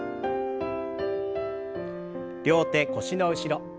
両手腰の後ろ。